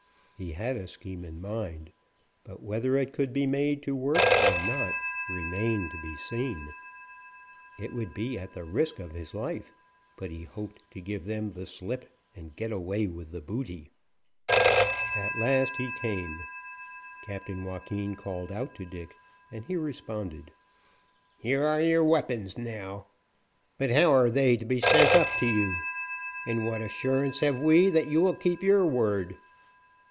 He had a scheme in mind, but whether it could be made to work or not remained to be seen. It would be at the risk of his life, but he hoped to give them the slip and get away with the booty. At last he came. Captain Joaquin called out to Dick, and he responded. "Here are your weapons, now, but how are they to be sent up to you? And what assurance have we that you will keep your word?"